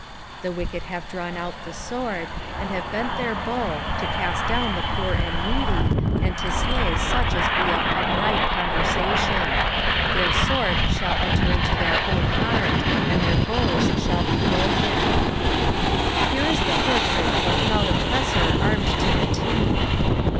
14 The wicked have drawn out the sword, and have bent their bow, to cast down the poor and needy, and to slay such as be of upright conversation. 15 Their sword shall enter into their own heart, and their bows shall be broken. Here is the portrsit of a proud oppressor armed to the teeth.